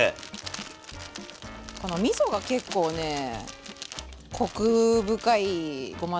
このみそが結構ねコク深いごま